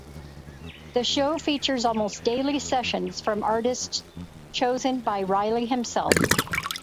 The show features almost daily sessions from artists chosen by Riley himself.